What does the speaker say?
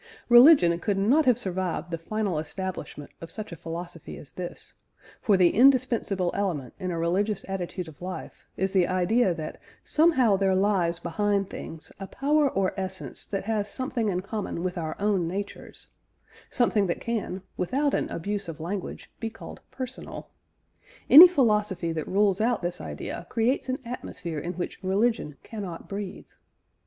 Religion could not have survived the final establishment of such a philosophy as this, for the indispensable element in a religious attitude of life is the idea that somehow there lies behind things a power or essence that has something in common with our own natures something that can, without an abuse of language, be called personal. Any philosophy that rules out this idea creates an atmosphere in which religion cannot breathe.